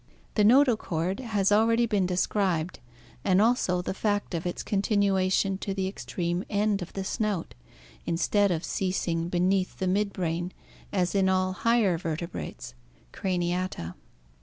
The notochord has already been described and also the fact of its continua tion to the extreme end of the snout, instead of ceasing beneath the mid brain as in all higher vertebrates (Crania ta).